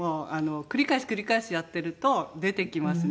繰り返し繰り返しやってると出てきますね。